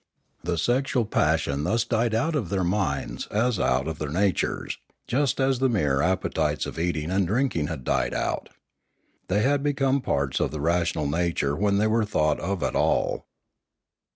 The sexual passion thus died out of their minds as out of 580 Limanora their natures, just as the mere appetites of eating, and drinking had died out. They had become parts of the rational nature when they were thought of at all.